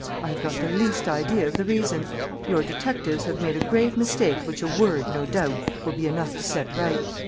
I have not the least idea of the reason. Your detectives have made a grave mistake which a word, no doubt, will be enough to set right.